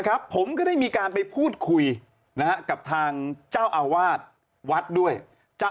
ครับผมก็ได้มีการไปพูดคุยนะฮะกับทางเจ้าอาวาสวัดด้วยจะ